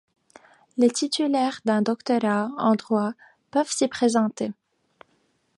Les titulaires d'un doctorat en droit peuvent s'y présenter.